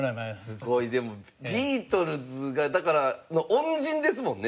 すごいでもビートルズがだから恩人ですもんね